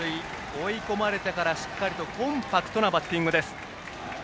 追い込まれてからしっかりとコンパクトなバッティングです。